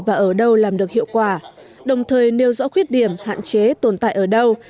và ở đâu làm được hiệu quả đồng thời nêu rõ khuyết điểm hạn chế tồn tại ở đâu